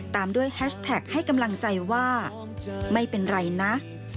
ตามด้วยแฮชแท็กให้กำลังใจว่าไม่เป็นไรนะ